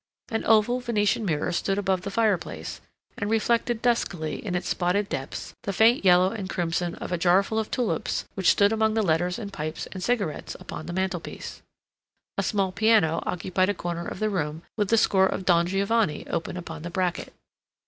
An oval Venetian mirror stood above the fireplace, and reflected duskily in its spotted depths the faint yellow and crimson of a jarful of tulips which stood among the letters and pipes and cigarettes upon the mantelpiece. A small piano occupied a corner of the room, with the score of "Don Giovanni" open upon the bracket.